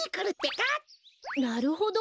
なるほど。